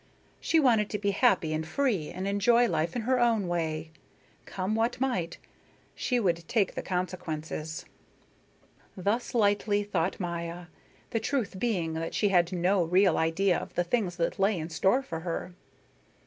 She wanted to be happy and free and enjoy life in her own way. Come what might, she would take the consequences. Thus lightly thought Maya, the truth being that she had no real idea of the things that lay in store for her.